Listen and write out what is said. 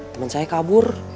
temen saya kabur